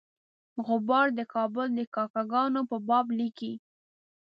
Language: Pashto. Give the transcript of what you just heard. غبار د کابل د کاکه ګانو په باب لیکي.